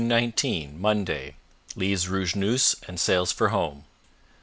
19 Monday Leaves Rougenouse and sails for home.